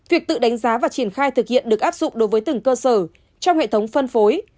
việc tự đánh giá và triển khai thực hiện được áp dụng đối với từng cơ sở trong hệ thống phân phối